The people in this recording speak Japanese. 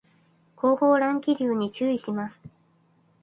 後方乱気流に注意します